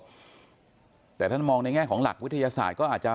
แต่ท่านมองในแง่ของหลักวิทยาศาสตร์ก็อาจจะ